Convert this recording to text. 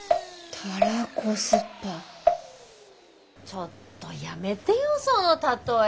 ちょっとやめてよその例え。